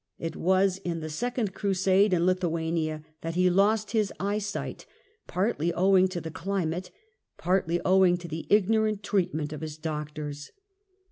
It was in a second crusade in Lithuania that he lost his eyesight, partly owing to the climate, partly owing to the ignorant treatment of his doctors.